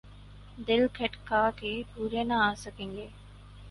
دل کھٹکا کہ پورے نہ آسکیں گے ۔